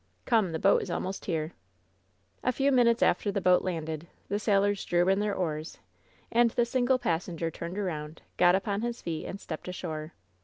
Come, the boat is almost here!" A few minutes after the boat landed, the sailors drew in their oars and the single passenger turned around, got upon his feet, and stepped ashore.